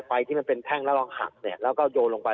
ไฟที่มันเป็นแท่งงอกหักแล้วก็โยนลงไป